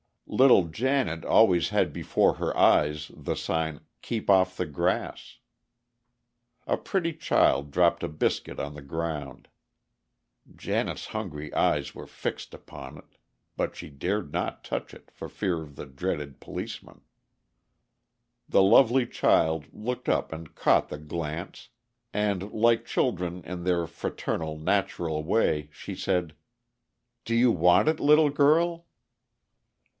Little Janet always had before her eyes the sign, "Keep off the grass." A pretty child dropped a biscuit on the ground. Janet's hungry eyes were fixed upon it, but she dared not touch it, for fear of the dreaded policeman. The lovely child looked up and caught the glance; and, like children in their fraternal, natural way, she said, "Do you want it, little girl?"